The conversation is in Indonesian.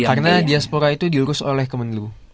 karena diaspora itu dilurus oleh kemenlu